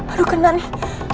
aduh kena nih